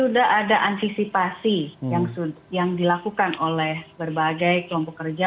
sudah ada antisipasi yang dilakukan oleh berbagai kelompok kerja